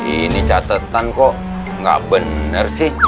ini catetan kok nggak bener sih